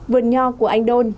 vườn nho của anh đôn